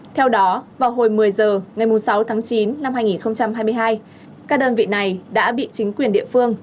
theo đó vào hồi một mươi h ngày sáu tháng chín năm hai nghìn hai mươi hai các đơn vị này đã bị chính quyền địa phương